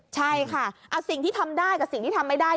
ใช่ค่ะสิ่งที่ทำได้กับสิ่งที่ทำไม่ได้